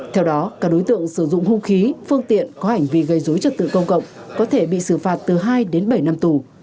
theo đó các đối tượng sử dụng hung khí phương tiện có hành vi gây dối trật tự công cộng có thể bị xử phạt từ hai đến bảy năm tù